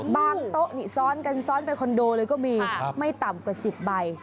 โต๊ะนี่ซ้อนกันซ้อนไปคอนโดเลยก็มีไม่ต่ำกว่า๑๐ใบ